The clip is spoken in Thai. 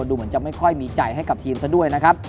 ดูเหมือนจะไม่ค่อยมีใจให้กับทีมซะด้วยนะครับ